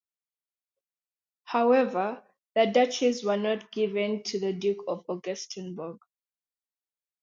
However, the duchies were not given to the Duke of Augustenborg.